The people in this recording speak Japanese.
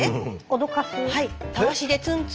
脅かす？